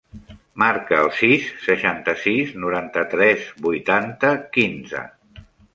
Marca el sis, seixanta-sis, noranta-tres, vuitanta, quinze.